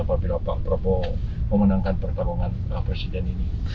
apabila pak prabowo memenangkan pertarungan presiden ini